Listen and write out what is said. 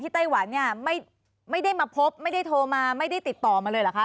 ไต้หวันเนี่ยไม่ได้มาพบไม่ได้โทรมาไม่ได้ติดต่อมาเลยเหรอคะ